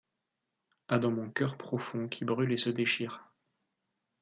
A dans mon coeur profond, qui brûle et se déchire